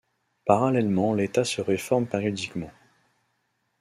Parallèlement l'État se réforme périodiquement.